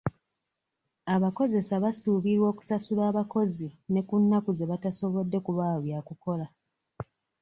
Abakozesa basuubirwa okusasula abakozi ne ku nnaku ze batasobodde kubawa byakukola.